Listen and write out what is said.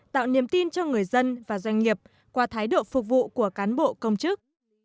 tạo niềm tin cho người dân và doanh nghiệp qua thái độ phục vụ của cán bộ công chức